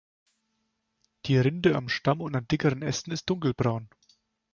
Die Rinde am Stamm und an dickeren Ästen ist dunkelbraun.